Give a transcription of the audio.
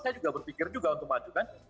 saya juga berpikir juga untuk maju kan